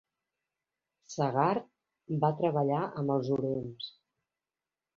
Sagard va treballar amb els Hurons.